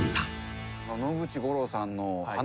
野口五郎さんの。